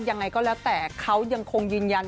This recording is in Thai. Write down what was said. ยังไงก็แล้วแต่เขายังคงยืนยัน